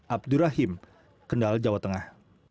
abdurrahim kendal jawa tengah